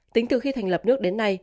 tính từ khi thành lập nước đến nay